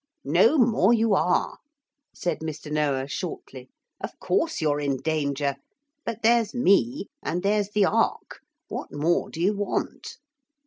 'No more you are,' said Mr. Noah shortly; 'of course you're in danger. But there's me. And there's the ark. What more do you want?'